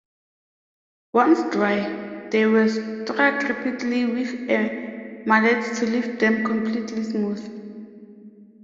Once dry, they were struck repeatedly with a mallet to leave them completely smooth.